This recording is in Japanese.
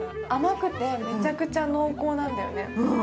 甘くてめちゃくちゃ濃厚なんだよね。